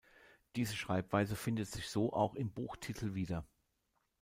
Diese Schreibweise findet sich so auch im Buchtitel wieder.